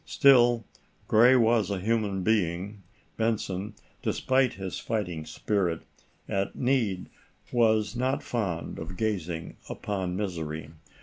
Still, Gray was a human being. Benson, despite his fighting spirit, at need, was not fond of gazing upon misery.